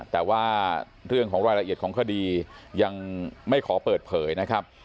แต่ว่าเรื่องของรายละเอียดของคดียังไม่ขอเปิดเผยนะครับ